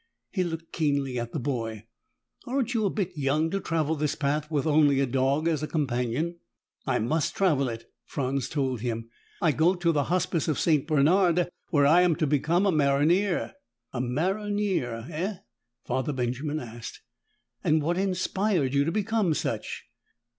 He looked keenly at the boy. "Aren't you a bit young to travel this path with only a dog as companion?" "I must travel it," Franz told him. "I go to the Hospice of St. Bernard, where I am to become a maronnier." "A maronnier, eh?" Father Benjamin asked. "And what inspired you to become such?"